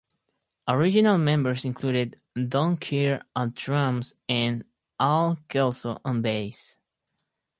Original members included Don Kerr on drums and Al Kelso on bass.